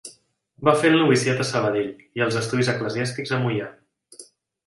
Va fer el noviciat a Sabadell i els estudis eclesiàstics a Moià.